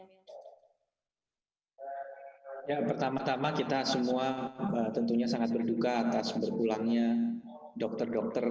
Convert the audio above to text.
ya pertama tama kita semua tentunya sangat berduka atas berpulangnya dokter dokter